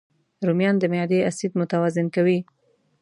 رومیان د معدې اسید متوازن کوي